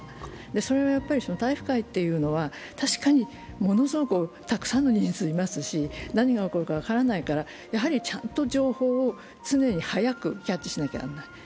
それは体育会というのは確かにものすごくたくさんの人数がいますし何が起こるか分からないから、やはりちゃんと情報を常に早くキャッチしなきゃなんない。